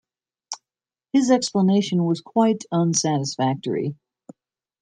His explanation was quite unsatisfactory.